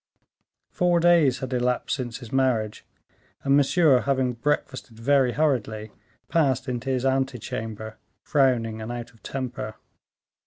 Four days had elapsed since his marriage, and Monsieur, having breakfasted very hurriedly, passed into his ante chamber, frowning and out of temper.